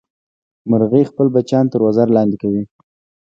مورغۍ خپل بچیان تر وزر لاندې کوي